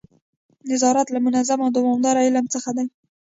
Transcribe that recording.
نظارت له منظم او دوامداره علم څخه دی.